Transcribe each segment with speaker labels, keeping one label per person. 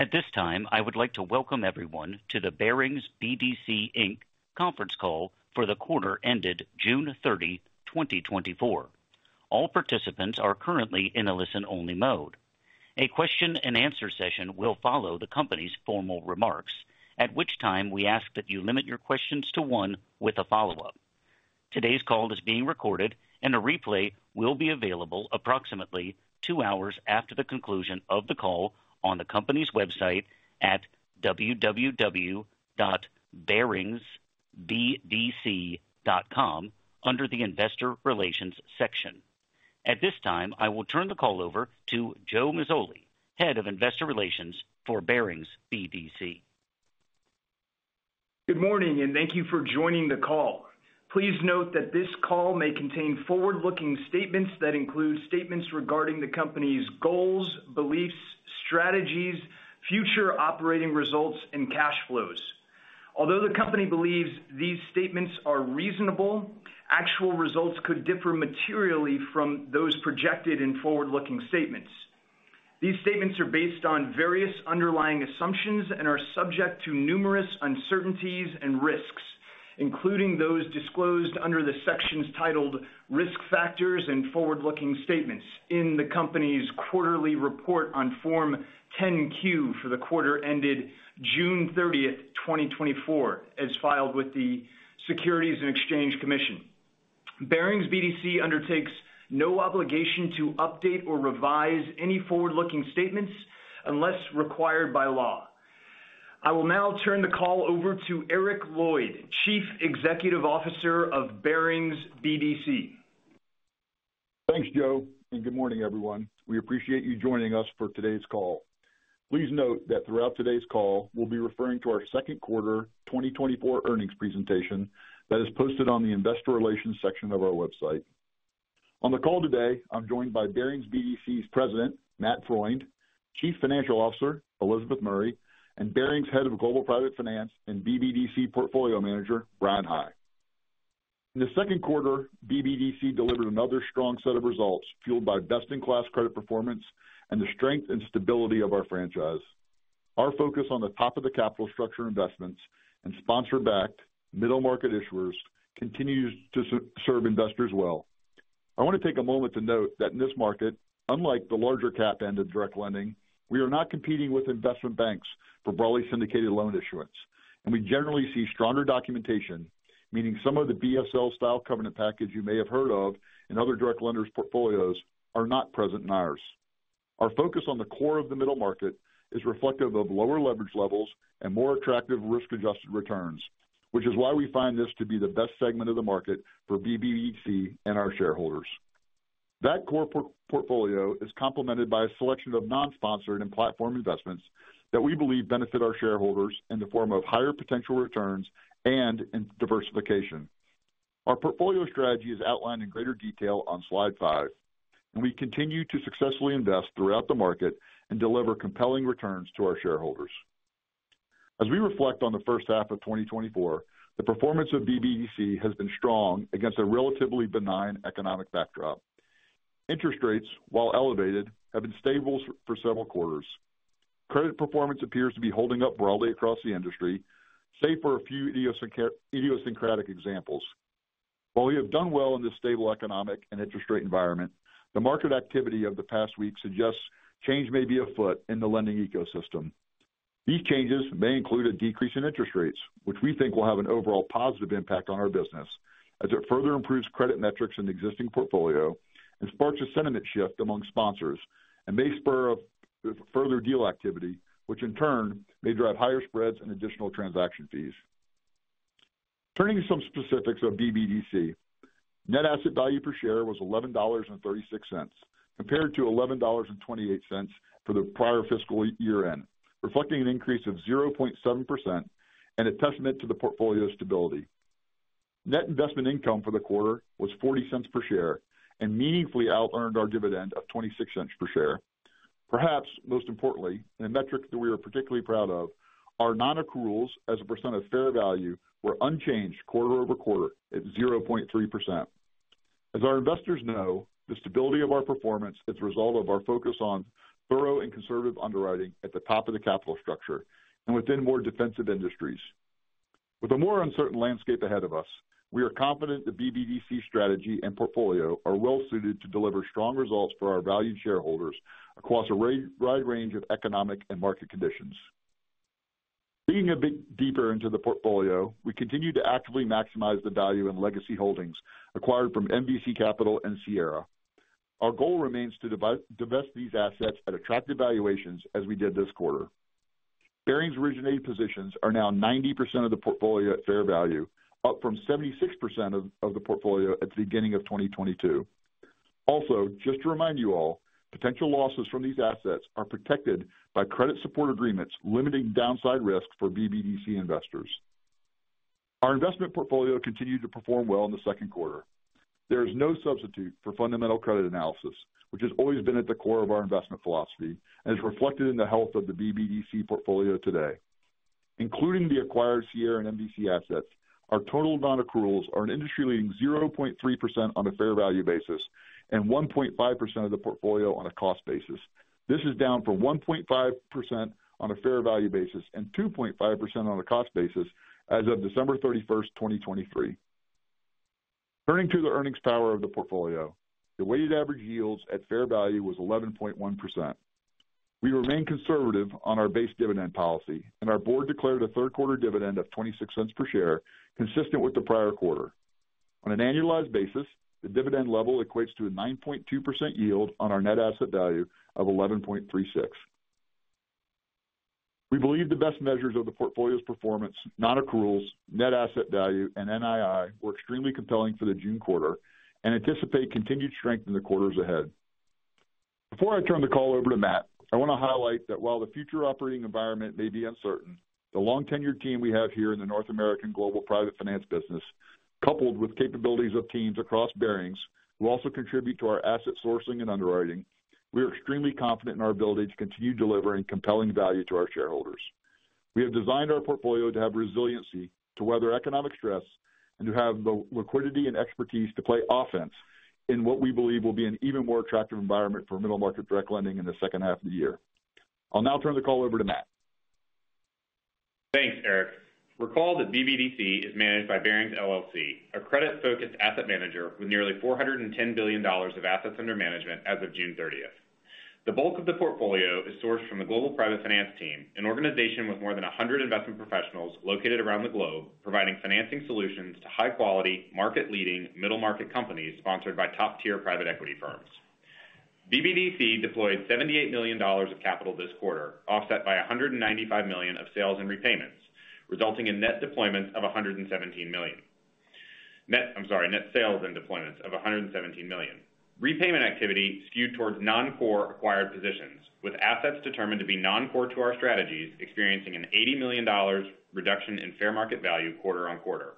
Speaker 1: At this time, I would like to welcome everyone to the Barings BDC, Inc. conference call for the quarter ended June 30, 2024. All participants are currently in a listen-only mode. A question-and-answer session will follow the company's formal remarks, at which time we ask that you limit your questions to one with a follow-up. Today's call is being recorded, and a replay will be available approximately 2 hours after the conclusion of the call on the company's website at www.baringsbdc.com under the Investor Relations section. At this time, I will turn the call over to Joe Mazzoli, Head of Investor Relations for Barings BDC.
Speaker 2: Good morning, and thank you for joining the call. Please note that this call may contain forward-looking statements that include statements regarding the company's goals, beliefs, strategies, future operating results, and cash flows. Although the company believes these statements are reasonable, actual results could differ materially from those projected in forward-looking statements. These statements are based on various underlying assumptions and are subject to numerous uncertainties and risks, including those disclosed under the sections titled Risk Factors and Forward-Looking Statements in the company's quarterly report on Form 10-Q for the quarter ended June 30, 2024, as filed with the Securities and Exchange Commission. Barings BDC undertakes no obligation to update or revise any forward-looking statements unless required by law. I will now turn the call over to Eric Lloyd, Chief Executive Officer of Barings BDC.
Speaker 3: Thanks, Joe, and good morning, everyone. We appreciate you joining us for today's call. Please note that throughout today's call, we'll be referring to our second quarter 2024 earnings presentation that is posted on the Investor Relations section of our website. On the call today, I'm joined by Barings BDC's President, Matt Freund; Chief Financial Officer, Elizabeth Murray; and Barings Head of Global Private Finance and BBDC Portfolio Manager, Bryan High. In the second quarter, BBDC delivered another strong set of results, fueled by best-in-class credit performance and the strength and stability of our franchise. Our focus on the top of the capital structure investments and sponsor-backed middle-market issuers continues to serve investors well. I want to take a moment to note that in this market, unlike the larger cap end of direct lending, we are not competing with investment banks for broadly syndicated loan issuance, and we generally see stronger documentation, meaning some of the BSL-style covenant package you may have heard of in other direct lenders' portfolios are not present in ours. Our focus on the core of the middle market is reflective of lower leverage levels and more attractive risk-adjusted returns, which is why we find this to be the best segment of the market for BBDC and our shareholders. That core portfolio is complemented by a selection of non-sponsored and platform investments that we believe benefit our shareholders in the form of higher potential returns and in diversification. Our portfolio strategy is outlined in greater detail on slide 5, and we continue to successfully invest throughout the market and deliver compelling returns to our shareholders. As we reflect on the first half of 2024, the performance of BBDC has been strong against a relatively benign economic backdrop. Interest rates, while elevated, have been stable for several quarters. Credit performance appears to be holding up broadly across the industry, save for a few idiosyncratic examples. While we have done well in this stable economic and interest rate environment, the market activity of the past week suggests change may be afoot in the lending ecosystem. These changes may include a decrease in interest rates, which we think will have an overall positive impact on our business as it further improves credit metrics in the existing portfolio and sparks a sentiment shift among sponsors and may spur a further deal activity, which in turn may drive higher spreads and additional transaction fees. Turning to some specifics of BBDC. Net asset value per share was $11.36, compared to $11.28 for the prior fiscal year-end, reflecting an increase of 0.7% and a testament to the portfolio's stability. Net investment income for the quarter was $0.40 per share and meaningfully outearned our dividend of $0.26 per share. Perhaps most importantly, and a metric that we are particularly proud of, our non-accruals as a percent of fair value were unchanged quarter-over-quarter at 0.3%. As our investors know, the stability of our performance is a result of our focus on thorough and conservative underwriting at the top of the capital structure and within more defensive industries. With a more uncertain landscape ahead of us, we are confident the BBDC strategy and portfolio are well suited to deliver strong results for our valued shareholders across a wide range of economic and market conditions. Digging a bit deeper into the portfolio, we continue to actively maximize the value in legacy holdings acquired from MVC Capital and Sierra. Our goal remains to divest these assets at attractive valuations, as we did this quarter. Barings' originated positions are now 90% of the portfolio at fair value, up from 76% of the portfolio at the beginning of 2022. Also, just to remind you all, potential losses from these assets are protected by credit support agreements, limiting downside risk for BBDC investors. Our investment portfolio continued to perform well in the second quarter. There is no substitute for fundamental credit analysis, which has always been at the core of our investment philosophy and is reflected in the health of the BBDC portfolio today.... including the acquired Sierra and MVC assets, our total nonaccruals are an industry-leading 0.3% on a fair value basis and 1.5% of the portfolio on a cost basis. This is down from 1.5% on a fair value basis and 2.5% on a cost basis as of December 31, 2023. Turning to the earnings power of the portfolio, the weighted average yields at fair value was 11.1%. We remain conservative on our base dividend policy, and our board declared a third quarter dividend of $0.26 per share, consistent with the prior quarter. On an annualized basis, the dividend level equates to a 9.2% yield on our net asset value of $11.36. We believe the best measures of the portfolio's performance, nonaccruals, net asset value, and NII, were extremely compelling for the June quarter and anticipate continued strength in the quarters ahead. Before I turn the call over to Matt, I want to highlight that while the future operating environment may be uncertain, the long tenured team we have here in the North American Global Private Finance business, coupled with capabilities of teams across Barings, who also contribute to our asset sourcing and underwriting. We are extremely confident in our ability to continue delivering compelling value to our shareholders. We have designed our portfolio to have resiliency, to weather economic stress, and to have the liquidity and expertise to play offense in what we believe will be an even more attractive environment for middle market direct lending in the second half of the year. I'll now turn the call over to Matt.
Speaker 4: Thanks, Eric. Recall that BBDC is managed by Barings LLC, a credit-focused asset manager with nearly $410 billion of assets under management as of June 30th. The bulk of the portfolio is sourced from the global private finance team, an organization with more than 100 investment professionals located around the globe, providing financing solutions to high quality, market-leading, middle-market companies sponsored by top-tier private equity firms. BBDC deployed $78 million of capital this quarter, offset by $195 million of sales and repayments, resulting in net deployments of $117 million. Net-- I'm sorry, net sales and deployments of $117 million. Repayment activity skewed towards non-core acquired positions, with assets determined to be non-core to our strategies, experiencing an $80 million reduction in fair market value quarter on quarter.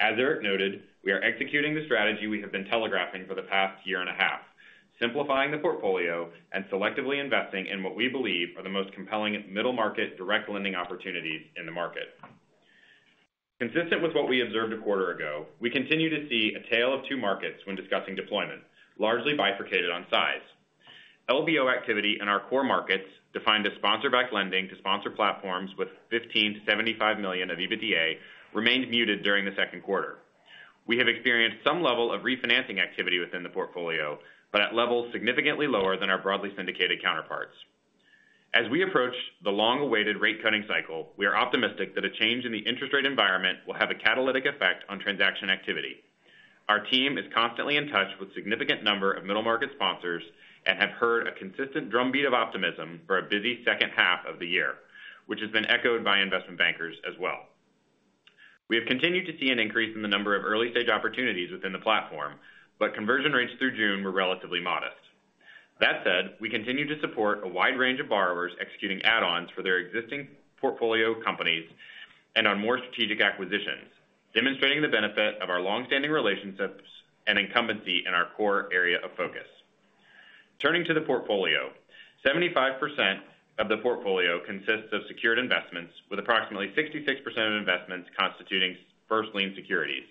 Speaker 4: As Eric noted, we are executing the strategy we have been telegraphing for the past year and a half, simplifying the portfolio and selectively investing in what we believe are the most compelling middle-market, direct lending opportunities in the market. Consistent with what we observed a quarter ago, we continue to see a tale of two markets when discussing deployment, largely bifurcated on size. LBO activity in our core markets, defined as sponsor-backed lending to sponsor platforms with 15-75 million of EBITDA, remained muted during the second quarter. We have experienced some level of refinancing activity within the portfolio, but at levels significantly lower than our broadly syndicated counterparts. As we approach the long-awaited rate cutting cycle, we are optimistic that a change in the interest rate environment will have a catalytic effect on transaction activity. Our team is constantly in touch with a significant number of middle-market sponsors and have heard a consistent drumbeat of optimism for a busy second half of the year, which has been echoed by investment bankers as well. We have continued to see an increase in the number of early-stage opportunities within the platform, but conversion rates through June were relatively modest. That said, we continue to support a wide range of borrowers executing add-ons for their existing portfolio companies and on more strategic acquisitions, demonstrating the benefit of our long-standing relationships and incumbency in our core area of focus. Turning to the portfolio, 75% of the portfolio consists of secured investments, with approximately 66% of investments constituting first lien securities.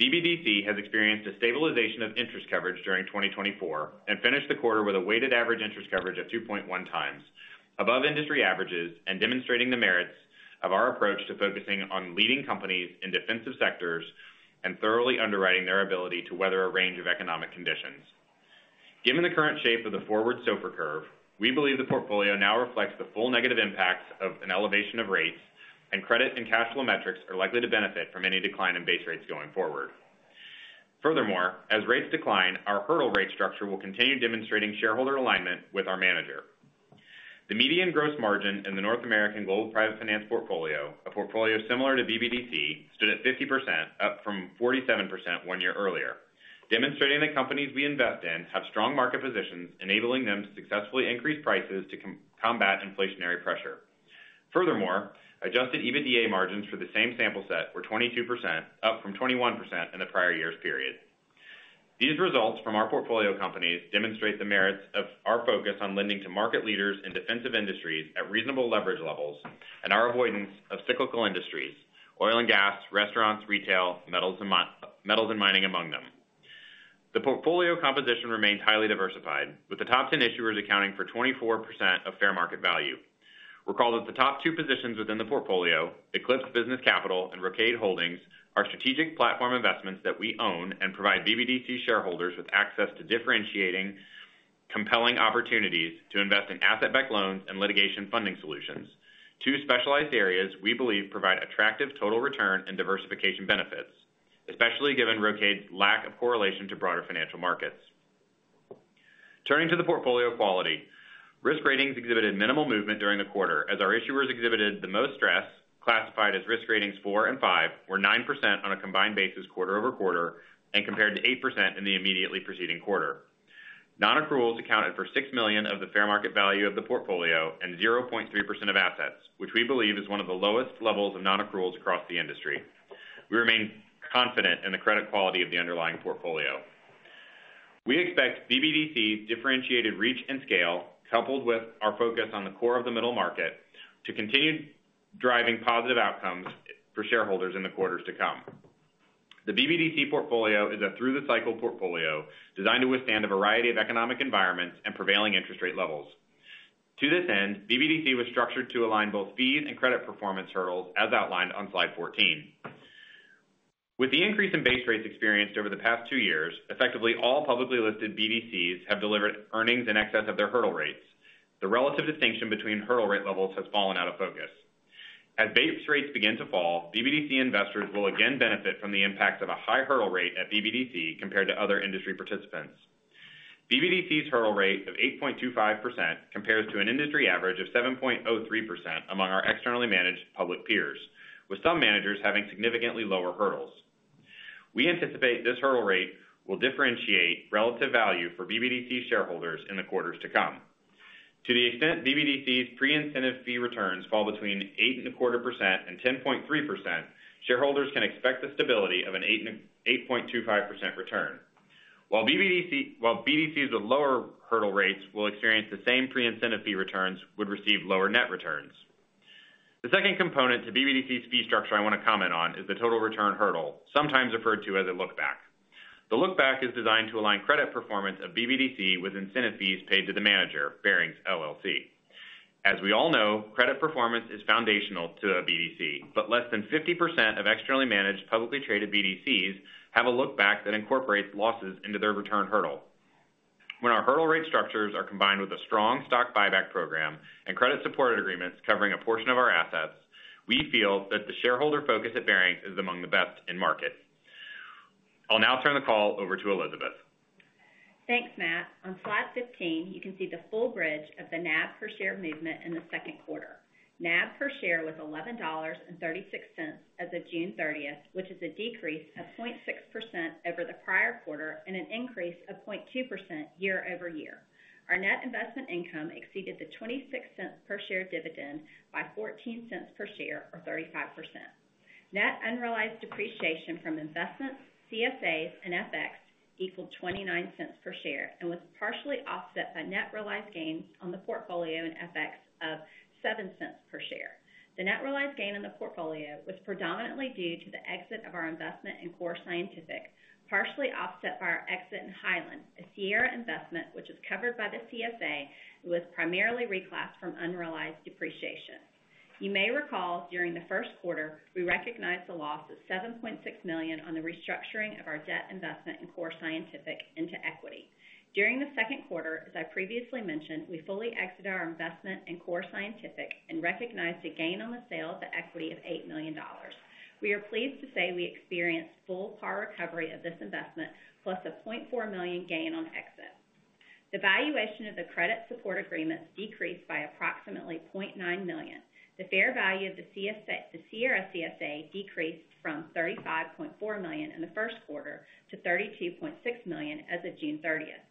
Speaker 4: BBDC has experienced a stabilization of interest coverage during 2024 and finished the quarter with a weighted average interest coverage of 2.1 times, above industry averages and demonstrating the merits of our approach to focusing on leading companies in defensive sectors and thoroughly underwriting their ability to weather a range of economic conditions. Given the current shape of the forward SOFR curve, we believe the portfolio now reflects the full negative impacts of an elevation of rates, and credit and cash flow metrics are likely to benefit from any decline in base rates going forward. Furthermore, as rates decline, our hurdle rate structure will continue demonstrating shareholder alignment with our manager. The median gross margin in the North American Global Private Finance portfolio, a portfolio similar to BBDC, stood at 50%, up from 47% one year earlier, demonstrating the companies we invest in have strong market positions, enabling them to successfully increase prices to combat inflationary pressure. Furthermore, adjusted EBITDA margins for the same sample set were 22%, up from 21% in the prior year's period. These results from our portfolio companies demonstrate the merits of our focus on lending to market leaders in defensive industries at reasonable leverage levels and our avoidance of cyclical industries, oil and gas, restaurants, retail, metals and metals and mining among them. The portfolio composition remains highly diversified, with the top 10 issuers accounting for 24% of fair market value. Recall that the top two positions within the portfolio, Eclipse Business Capital and Rocade Holdings, are strategic platform investments that we own and provide BBDC shareholders with access to differentiating, compelling opportunities to invest in asset-backed loans and litigation funding solutions. Two specialized areas we believe provide attractive total return and diversification benefits, especially given Rocade's lack of correlation to broader financial markets. Turning to the portfolio quality. Risk ratings exhibited minimal movement during the quarter, as our issuers exhibited the most stress, classified as risk ratings four and five, were 9% on a combined basis quarter-over-quarter, and compared to 8% in the immediately preceding quarter. Nonaccruals accounted for $6 million of the fair market value of the portfolio and 0.3% of assets, which we believe is one of the lowest levels of nonaccruals across the industry. We remain confident in the credit quality of the underlying portfolio... We expect BBDC's differentiated reach and scale, coupled with our focus on the core of the middle market, to continue driving positive outcomes for shareholders in the quarters to come. The BBDC portfolio is a through-the-cycle portfolio designed to withstand a variety of economic environments and prevailing interest rate levels. To this end, BBDC was structured to align both fees and credit performance hurdles, as outlined on slide 14. With the increase in base rates experienced over the past two years, effectively, all publicly listed BDCs have delivered earnings in excess of their hurdle rates. The relative distinction between hurdle rate levels has fallen out of focus. As base rates begin to fall, BBDC investors will again benefit from the impact of a high hurdle rate at BBDC compared to other industry participants. BBDC's hurdle rate of 8.25% compares to an industry average of 7.03% among our externally managed public peers, with some managers having significantly lower hurdles. We anticipate this hurdle rate will differentiate relative value for BBDC shareholders in the quarters to come. To the extent BBDC's pre-incentive fee returns fall between 8.25% and 10.3%, shareholders can expect the stability of an 8.25% return. While BDCs with lower hurdle rates will experience the same pre-incentive fee returns, would receive lower net returns. The second component to BBDC's fee structure I want to comment on is the total return hurdle, sometimes referred to as a look-back. The look-back is designed to align credit performance of BBDC with incentive fees paid to the manager, Barings LLC. As we all know, credit performance is foundational to a BDC, but less than 50% of externally managed, publicly traded BDCs have a look-back that incorporates losses into their return hurdle. When our hurdle rate structures are combined with a strong stock buyback program and credit support agreements covering a portion of our assets, we feel that the shareholder focus at Barings is among the best in market. I'll now turn the call over to Elizabeth.
Speaker 5: Thanks, Matt. On slide 15, you can see the full bridge of the NAV per share movement in the second quarter. NAV per share was $11.36 as of June 30th, which is a decrease of 0.6% over the prior quarter and an increase of 0.2% year-over-year. Our net investment income exceeded the $0.26 per share dividend by $0.14 per share, or 35%. Net unrealized depreciation from investments, CSAs, and FX equaled $0.29 per share and was partially offset by net realized gains on the portfolio and FX of $0.07 per share. The net realized gain in the portfolio was predominantly due to the exit of our investment in Core Scientific, partially offset by our exit in Hyland, a Sierra investment, which is covered by the CSA and was primarily reclassed from unrealized depreciation. You may recall, during the first quarter, we recognized a loss of $7.6 million on the restructuring of our debt investment in Core Scientific into equity. During the second quarter, as I previously mentioned, we fully exited our investment in Core Scientific and recognized a gain on the sale of the equity of $8 million. We are pleased to say we experienced full par recovery of this investment, plus a $0.4 million gain on exit. The valuation of the Credit Support Agreements decreased by approximately $0.9 million. The fair value of the CS- the Sierra CSA decreased from $35.4 million in the first quarter to $32.6 million as of June 30th.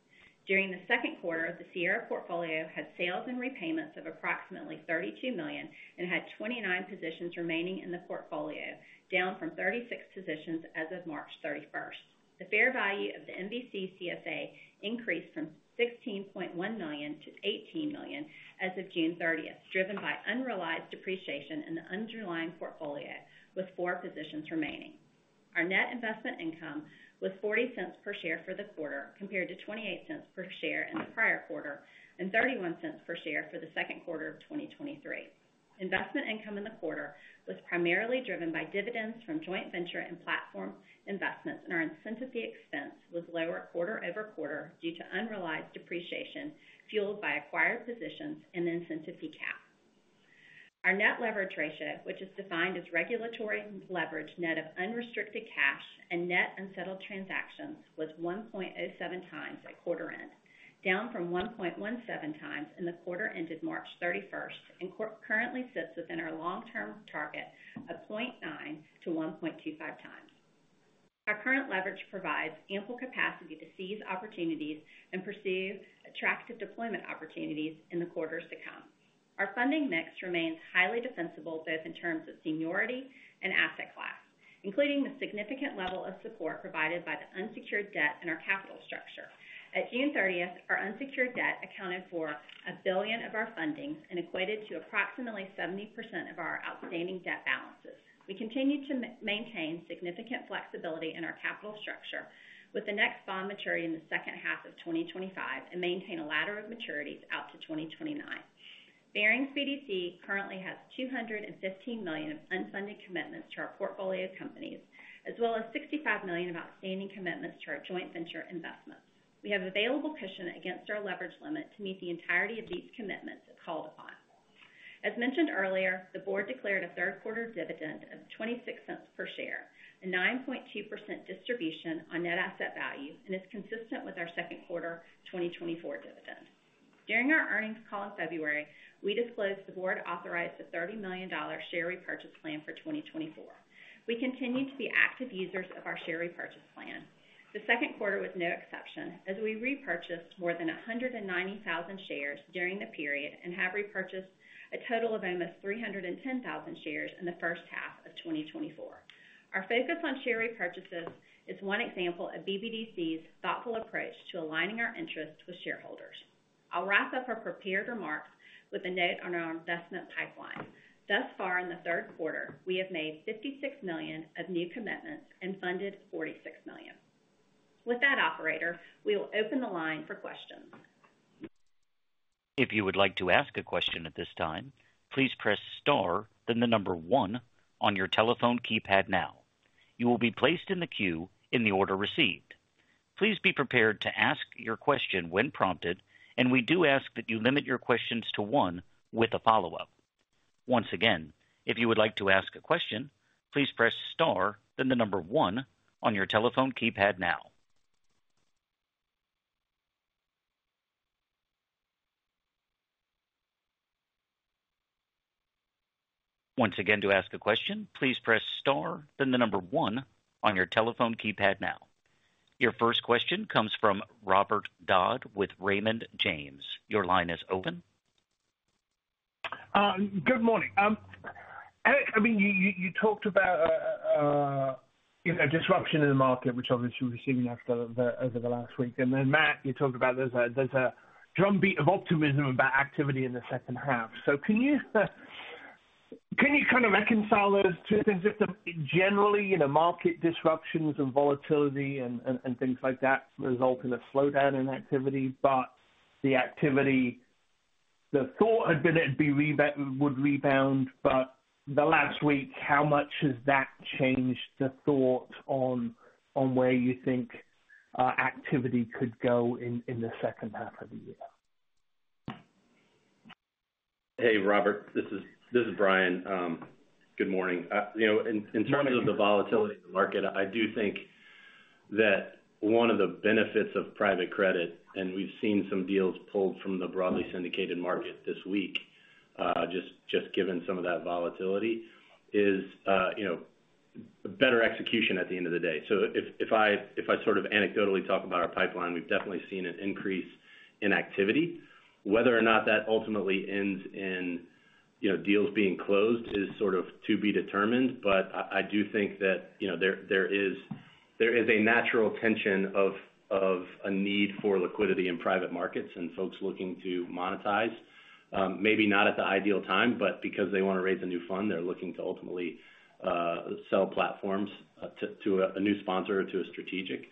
Speaker 5: During the second quarter, the Sierra portfolio had sales and repayments of approximately $32 million and had 29 positions remaining in the portfolio, down from 36 positions as of March 31st. The fair value of the MVC CSA increased from $16.1 million to $18 million as of June 30, driven by unrealized depreciation in the underlying portfolio, with four positions remaining. Our net investment income was $0.40 per share for the quarter, compared to $0.28 per share in the prior quarter, and $0.31 per share for the second quarter of 2023. Investment income in the quarter was primarily driven by dividends from joint venture and platform investments, and our incentive fee expense was lower quarter-over-quarter due to unrealized depreciation, fueled by acquired positions and an incentive fee cap. Our net leverage ratio, which is defined as regulatory leverage, net of unrestricted cash and net unsettled transactions, was 1.07 times at quarter end, down from 1.17 times in the quarter ended March 31, and currently sits within our long-term target of 0.9-1.25 times. Our current leverage provides ample capacity to seize opportunities and pursue attractive deployment opportunities in the quarters to come. Our funding mix remains highly defensible, both in terms of seniority and asset class, including the significant level of support provided by the unsecured debt in our capital structure. At June 30th, our unsecured debt accounted for $1 billion of our funding and equated to approximately 70% of our outstanding debt balances. We continue to maintain significant flexibility in our capital structure with the next bond maturity in the second half of 2025, and maintain a ladder of maturities out to 2029. Barings BDC currently has $215 million of unfunded commitments to our portfolio of companies, as well as $65 million of outstanding commitments to our joint venture investments. We have available cushion against our leverage limit to meet the entirety of these commitments if called upon. As mentioned earlier, the board declared a third quarter dividend of $0.26 per share, a 9.2% distribution on net asset value, and is consistent with our second quarter 2024 dividend. During our earnings call in February, we disclosed the board authorized a $30 million share repurchase plan for 2024. We continue to be active users of our share repurchase plan. The second quarter was no exception, as we repurchased more than 190,000 shares during the period and have repurchased a total of almost 310,000 shares in the first half of 2024. Our focus on share repurchases is one example of BBDC's thoughtful approach to aligning our interests with shareholders.... I'll wrap up our prepared remarks with a note on our investment pipeline. Thus far in the third quarter, we have made $56 million of new commitments and funded $46 million. With that, operator, we will open the line for questions.
Speaker 1: If you would like to ask a question at this time, please press star, then the number one on your telephone keypad now. You will be placed in the queue in the order received. Please be prepared to ask your question when prompted, and we do ask that you limit your questions to one with a follow-up. Once again, if you would like to ask a question, please press star, then the number one on your telephone keypad now. Once again, to ask a question, please press star, then the number one on your telephone keypad now. Your first question comes from Robert Dodd with Raymond James. Your line is open.
Speaker 6: Good morning. Eric, I mean, you talked about, you know, disruption in the market, which obviously we've seen after the, over the last week. And then, Matt, you talked about there's a drumbeat of optimism about activity in the second half. So can you kind of reconcile those two things? If generally, you know, market disruptions and volatility and things like that result in a slowdown in activity, but the activity... The thought had been it'd rebound, but the last week, how much has that changed the thought on where you think activity could go in the second half of the year?
Speaker 7: Hey, Robert, this is, this is Bryan. Good morning. You know, in, in terms of the volatility in the market, I do think that one of the benefits of private credit, and we've seen some deals pulled from the broadly syndicated market this week, just, just given some of that volatility, is, you know, better execution at the end of the day. So if, if I, if I sort of anecdotally talk about our pipeline, we've definitely seen an increase in activity. Whether or not that ultimately ends in, you know, deals being closed is sort of to be determined. But I do think that, you know, there is a natural tension of a need for liquidity in private markets and folks looking to monetize, maybe not at the ideal time, but because they want to raise a new fund, they're looking to ultimately sell platforms to a new sponsor or to a strategic.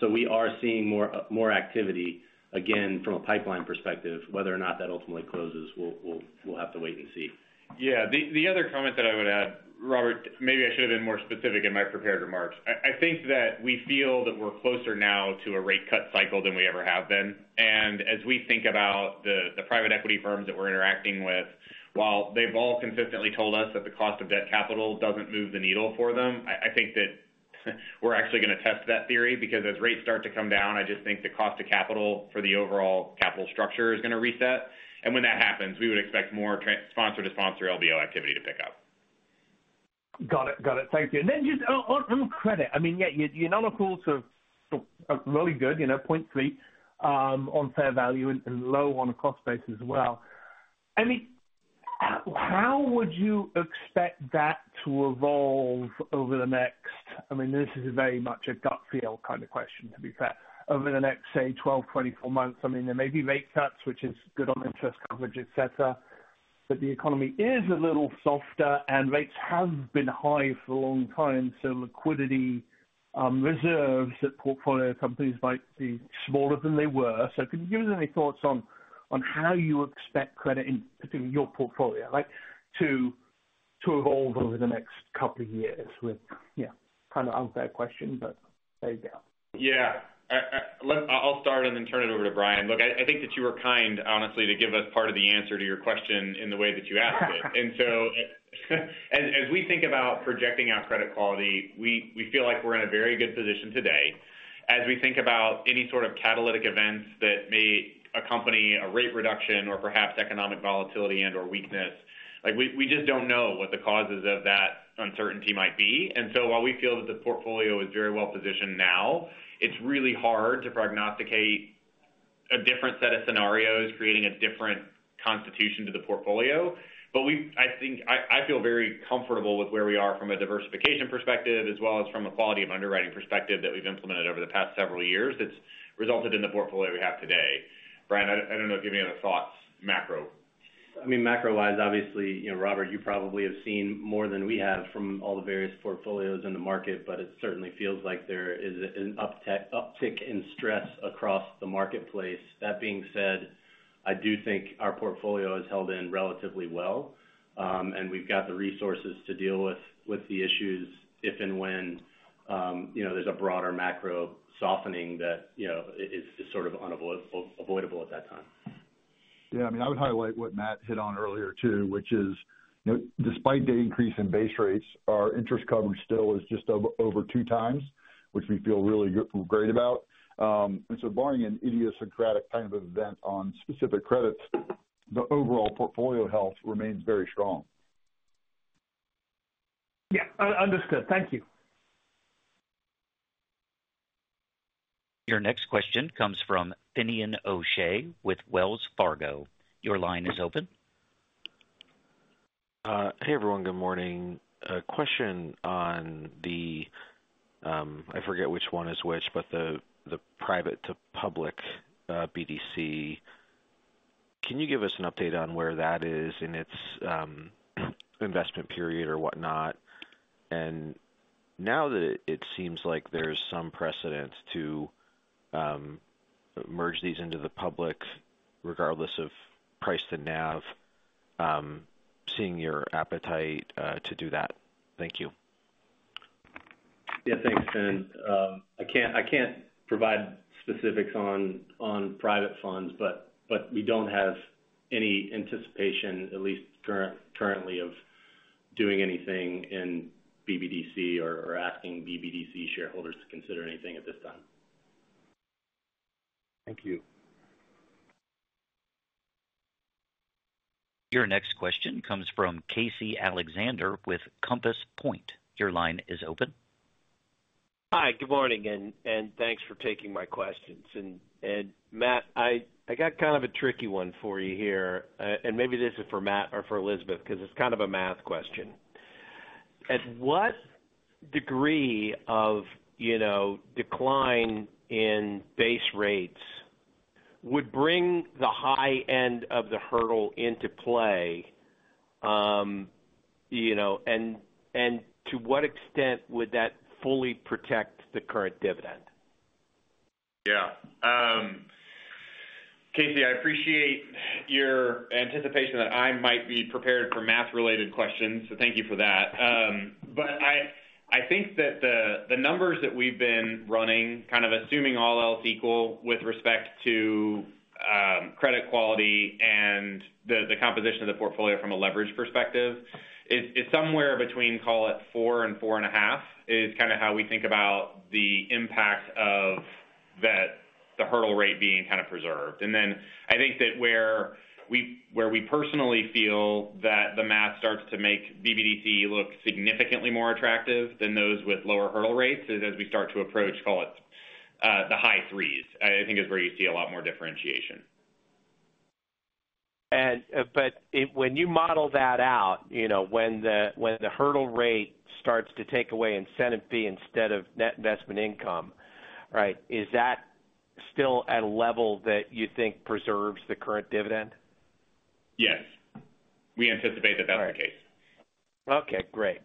Speaker 7: So we are seeing more activity, again, from a pipeline perspective. Whether or not that ultimately closes, we'll have to wait and see.
Speaker 4: Yeah, the other comment that I would add, Robert, maybe I should have been more specific in my prepared remarks. I think that we feel that we're closer now to a rate cut cycle than we ever have been. And as we think about the private equity firms that we're interacting with, while they've all consistently told us that the cost of debt capital doesn't move the needle for them, I think that we're actually going to test that theory, because as rates start to come down, I just think the cost of capital for the overall capital structure is going to reset. And when that happens, we would expect more trans- sponsor to sponsor LBO activity to pick up.
Speaker 6: Got it. Got it. Thank you. And then just on credit, I mean, yeah, your nominals are really good, you know, 0.3% on fair value and low on a cost basis as well. I mean, how would you expect that to evolve over the next... I mean, this is very much a gut feel kind of question, to be fair. Over the next, say, 12, 24 months, I mean, there may be rate cuts, which is good on interest coverage, et cetera, but the economy is a little softer and rates have been high for a long time, so liquidity reserves at portfolio companies might be smaller than they were. So can you give us any thoughts on how you expect credit in, particularly your portfolio, like, to evolve over the next couple of years? Yeah, kind of unfair question, but there you go.
Speaker 4: Yeah. Let's—I'll start and then turn it over to Bryan. Look, I, I think that you were kind, honestly, to give us part of the answer to your question in the way that you asked it. And so, as, as we think about projecting our credit quality, we, we feel like we're in a very good position today. As we think about any sort of catalytic events that may accompany a rate reduction or perhaps economic volatility and/or weakness, like, we, we just don't know what the causes of that uncertainty might be. And so while we feel that the portfolio is very well positioned now, it's really hard to prognosticate a different set of scenarios, creating a different constitution to the portfolio. But we've. I think, I feel very comfortable with where we are from a diversification perspective, as well as from a quality of underwriting perspective that we've implemented over the past several years that's resulted in the portfolio we have today. Bryan, I don't know if you have any other thoughts, macro.
Speaker 7: I mean, macro-wise, obviously, you know, Robert, you probably have seen more than we have from all the various portfolios in the market, but it certainly feels like there is an uptick in stress across the marketplace. That being said, I do think our portfolio has held in relatively well, and we've got the resources to deal with the issues if and when, you know, there's a broader macro softening that, you know, is sort of unavoidable at that time.
Speaker 3: Yeah, I mean, I would highlight what Matt hit on earlier, too, which is, you know, despite the increase in base rates, our interest coverage still is just over 2x, which we feel really good, great about. And so barring an idiosyncratic kind of event on specific credits, the overall portfolio health remains very strong.
Speaker 6: Yeah, understood. Thank you.
Speaker 1: Your next question comes from Finian O'Shea with Wells Fargo. Your line is open.
Speaker 8: Hey, everyone. Good morning. A question on the, I forget which one is which, but the, the private to public, BDC. Can you give us an update on where that is in its investment period or whatnot? And now that it seems like there's some precedent to merge these into the public, regardless of price to NAV, seeing your appetite to do that. Thank you.
Speaker 7: Yeah, thanks, Dylan. I can't provide specifics on private funds, but we don't have any anticipation, at least currently, of doing anything in BBDC or asking BBDC shareholders to consider anything at this time.
Speaker 8: Thank you.
Speaker 1: Your next question comes from Casey Alexander with Compass Point. Your line is open.
Speaker 9: Hi, good morning, and thanks for taking my questions. Matt, I got kind of a tricky one for you here. Maybe this is for Matt or for Elizabeth, because it's kind of a math question. At what degree of, you know, decline in base rates would bring the high end of the hurdle into play? You know, to what extent would that fully protect the current dividend?
Speaker 4: Yeah. Casey, I appreciate your anticipation that I might be prepared for math-related questions, so thank you for that. But I, I think that the, the numbers that we've been running, kind of assuming all else equal with respect to, credit quality and the, the composition of the portfolio from a leverage perspective, is, is somewhere between, call it, 4-4.5, is kind of how we think about the impact of that, the hurdle rate being kind of preserved. And then I think that where we, where we personally feel that the math starts to make BBDC look significantly more attractive than those with lower hurdle rates is as we start to approach, call it, the high 3s, I, I think is where you see a lot more differentiation.
Speaker 9: But when you model that out, you know, when the hurdle rate starts to take away incentive fee instead of net investment income, right? Is that still at a level that you think preserves the current dividend?
Speaker 4: Yes. We anticipate that that's the case.
Speaker 9: Okay, great.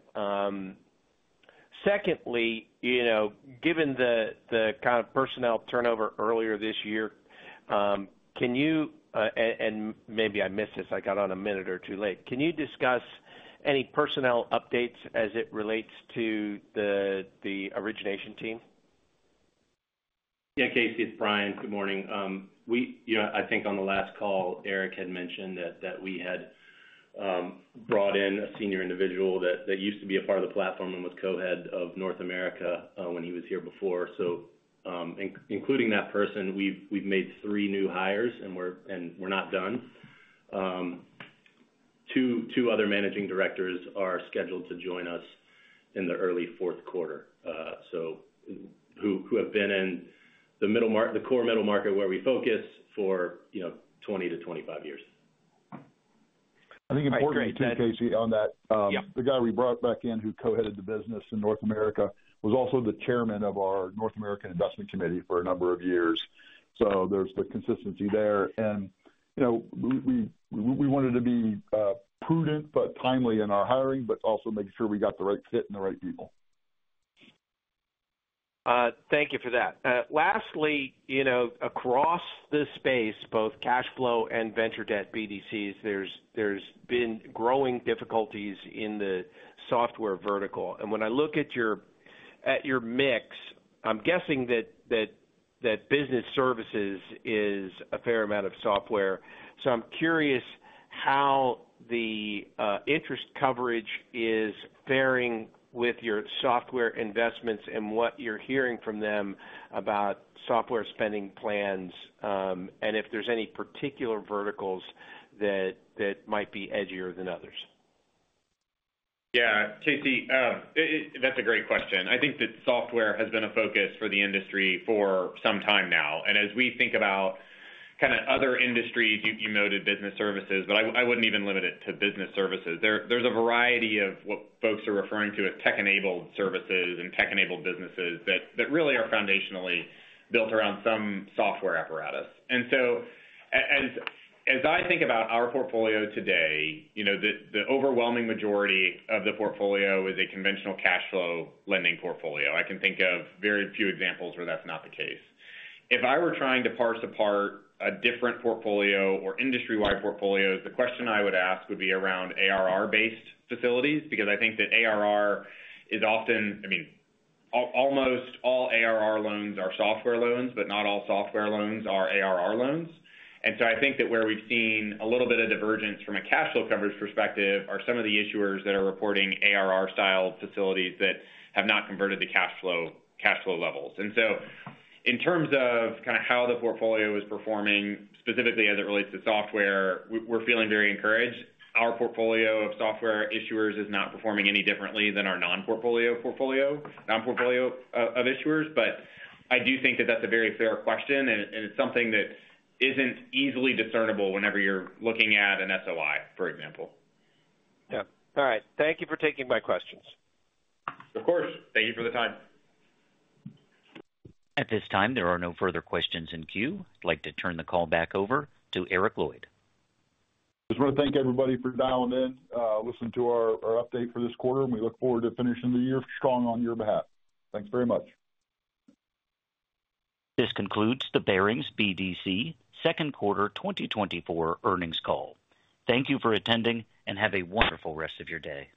Speaker 9: Secondly, you know, given the kind of personnel turnover earlier this year, can you and maybe I missed this, I got on a minute or two late. Can you discuss any personnel updates as it relates to the origination team?
Speaker 7: Yeah, Casey, it's Brian. Good morning. You know, I think on the last call, Eric had mentioned that we had brought in a senior individual that used to be a part of the platform and was co-head of North America when he was here before. So, including that person, we've made three new hires, and we're not done. Two other managing directors are scheduled to join us in the early fourth quarter, so who have been in the core middle market where we focus for, you know, 20-25 years.
Speaker 3: I think importantly, too, Casey, on that-
Speaker 9: Yeah.
Speaker 3: The guy we brought back in, who co-headed the business in North America, was also the chairman of our North American Investment Committee for a number of years. So there's the consistency there. And, you know, we wanted to be prudent but timely in our hiring, but also making sure we got the right fit and the right people.
Speaker 9: Thank you for that. Lastly, you know, across this space, both cash flow and venture debt BDCs, there's been growing difficulties in the software vertical. And when I look at your mix, I'm guessing that business services is a fair amount of software. So I'm curious how the interest coverage is faring with your software investments and what you're hearing from them about software spending plans, and if there's any particular verticals that might be edgier than others.
Speaker 4: Yeah, Casey, that's a great question. I think that software has been a focus for the industry for some time now. And as we think about kind of other industries, you noted business services, but I wouldn't even limit it to business services. There's a variety of what folks are referring to as tech-enabled services and tech-enabled businesses that really are foundationally built around some software apparatus. And so as I think about our portfolio today, you know, the overwhelming majority of the portfolio is a conventional cash flow lending portfolio. I can think of very few examples where that's not the case. If I were trying to parse apart a different portfolio or industry-wide portfolios, the question I would ask would be around ARR-based facilities, because I think that ARR is often... I mean, almost all ARR loans are software loans, but not all software loans are ARR loans. And so I think that where we've seen a little bit of divergence from a cash flow coverage perspective are some of the issuers that are reporting ARR-style facilities that have not converted to cash flow, cash flow levels. And so in terms of kind of how the portfolio is performing, specifically as it relates to software, we're feeling very encouraged. Our portfolio of software issuers is not performing any differently than our non-portfolio portfolio, non-portfolio of issuers. But I do think that that's a very fair question, and it's something that isn't easily discernible whenever you're looking at a 10-Q, for example.
Speaker 9: Yeah. All right. Thank you for taking my questions.
Speaker 4: Of course. Thank you for the time.
Speaker 1: At this time, there are no further questions in queue. I'd like to turn the call back over to Eric Lloyd.
Speaker 3: Just want to thank everybody for dialing in, listening to our update for this quarter, and we look forward to finishing the year strong on your behalf. Thanks very much.
Speaker 1: This concludes the Barings BDC second quarter 2024 earnings call. Thank you for attending, and have a wonderful rest of your day.